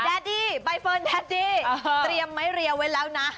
ดี้ใบเฟิร์นแดดดี้เตรียมไม้เรียวไว้แล้วนะ